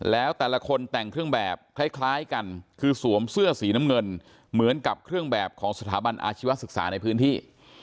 แล้วแต่ละคนแต่งเครื่องแบบคล้ายกันคือสวมเสื้อสีน้ำเงินเหมือนกับเครื่องแบบของสถาบันอาชีวศึกษาในพื้นที่